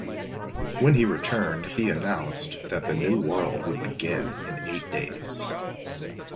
When he returned, he announced that the New World would begin in eight days.